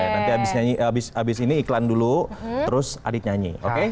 nanti abis ini iklan dulu terus adit nyanyi oke